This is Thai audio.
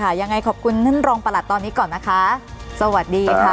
เข้าใจค่ะยังไงขอบคุณรองประหลัดตอนนี้ก่อนนะคะเข้าใจค่ะยังไงขอบคุณรองประหลัดตอนนี้ก่อนนะคะ